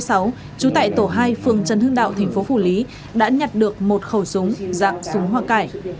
trú tại tổ hai phường trần hưng đạo thành phố phủ lý đã nhặt được một khẩu súng dạng súng hoa cải